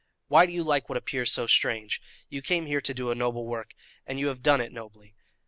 Why do you like what appears so strange? You came here to do a noble work, and you have done it nobly.